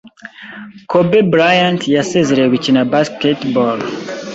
Kobe Bryant yasezeye gukina Basketball